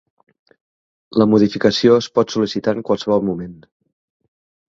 La modificació es pot sol·licitar en qualsevol moment.